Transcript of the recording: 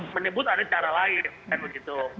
menyebut ada cara lain kan begitu